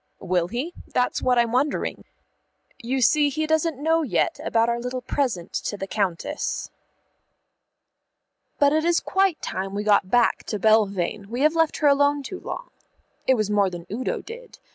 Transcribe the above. "Will he? That's what I'm wondering. You see he doesn't know yet about our little present to the Countess." But it is quite time we got back to Belvane; we have left her alone too long. It was more than Udo did.